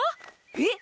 えっ？